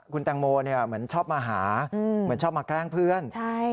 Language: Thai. คุณแตงโมเหมือนชอบมาหาเหมือนชอบมาแกล้งเพื่อน